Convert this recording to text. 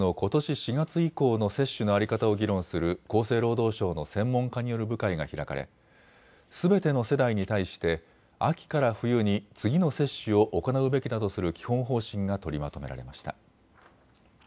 ４月以降の接種の在り方を議論する厚生労働省の専門家による部会が開かれすべての世代に対して秋から冬に次の接種を行うべきだとする基本方針が取りまとめられました。